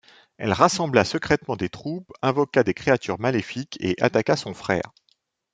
Elle rassembla secrètement des troupes, invoqua des créatures maléfiques et attaqua son frère.